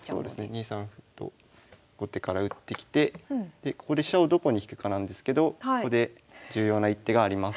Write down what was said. ２三歩と後手から打ってきてでここで飛車をどこに引くかなんですけどここで重要な一手があります。